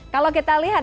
kalau kita lihat